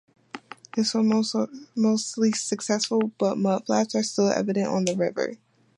This was mostly successful, but mud flats are still evident on the river.